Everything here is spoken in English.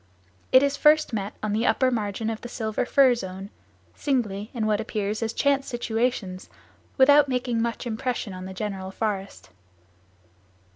It is first met on the upper margin of the silver fir zone, singly, in what appears as chance situations without making much impression on the general forest.